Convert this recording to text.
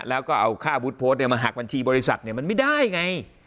แล้วก็เอาค่าบูธโพสต์เนี่ยมาหักบัญชีบริษัทเนี่ยมันไม่ได้ไง